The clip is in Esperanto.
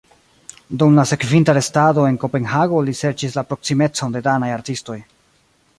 Dum la sekvinta restado en Kopenhago li serĉis la proksimecon de danaj artistoj.